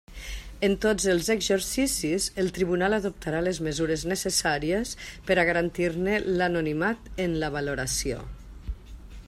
En tots els exercicis, el tribunal adoptarà les mesures necessàries per a garantir-ne l'anonimat en la valoració.